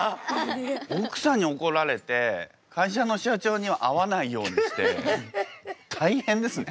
奥さんにおこられて会社の社長には会わないようにして大変ですね。